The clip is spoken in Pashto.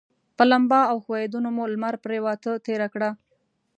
په لمبا او ښویندیو مو لمر پرېواته تېره کړه.